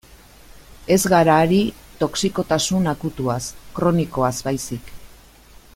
Ez gara ari toxikotasun akutuaz, kronikoaz baizik.